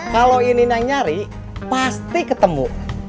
kalau inin yang nyari pasti ketemu